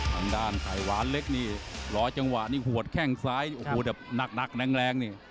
ทางด้านไขวานเล็กนี่รอจังหวะนี่หัวแข้งซ้ายโอ้โหแบบหนักแรงนี่